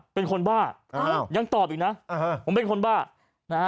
เป็นคนบ้ายังตอบอีกนะอ่าฮะผมเป็นคนบ้านะฮะ